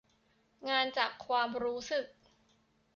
งานจากความรู้สึก